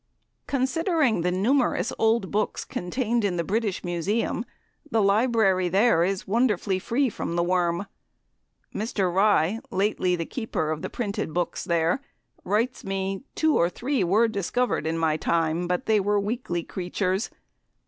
Considering the numerous old books contained in the British Museum, the Library there is wonderfully free from the worm. Mr. Rye, lately the Keeper of the Printed Books there, writes me "Two or three were discovered in my time, but they were weakly creatures.